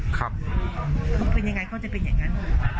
เขาเป็นยังไงเขาจะเป็นอย่างนั้น